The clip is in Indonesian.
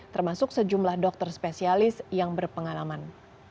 termasuk sejumlah dokter spesialis yang berpengalaman